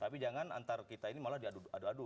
tapi jangan antar kita ini malah diadu adu